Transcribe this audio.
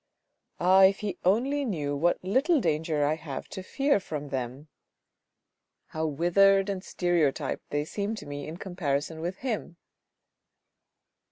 Ah, if he only knew what little danger I have to fear from them ; how withered and stereotyped they seem to me in comparison with him."